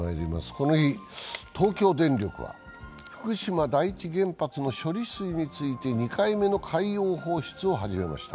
この日、東京電力は福島第一原発の処理水について２回目の海洋放出を始めました。